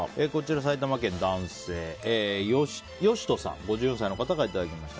埼玉県、男性、５４歳の方からいただきました。